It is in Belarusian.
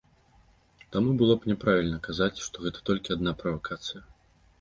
Таму было б няправільна казаць, што гэта толькі адна правакацыя.